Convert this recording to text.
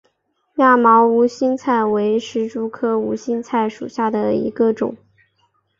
亚毛无心菜为石竹科无心菜属下的一个种。